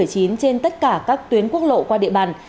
trên tất cả các tuyến quốc lộ qua địa bàn